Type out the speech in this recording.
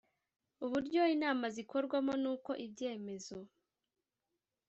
uburyo inama zikorwamo n uko ibyemezo